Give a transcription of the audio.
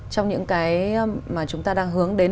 trong những cái mà chúng ta đang hướng đến